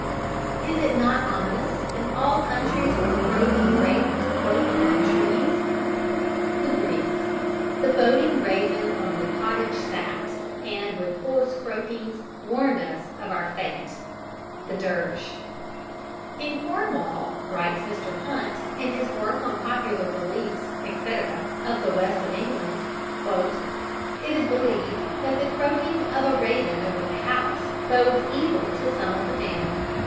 _) "Is it not ominous in all countries where crows and ravens croak upon trees?" (Hudibras.) "The boding raven on her cottage sat, And with hoarse croakings warned us of our fate." (The Dirge.) "In Cornwall," writes Mr. Hunt, in his work on popular beliefs, etc., of the West of England, "it is believed that the croaking of a raven over the house bodes evil to some of the family.